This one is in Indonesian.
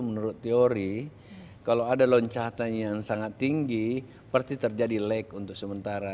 menurut teori kalau ada loncatan yang sangat tinggi pasti terjadi lag untuk sementara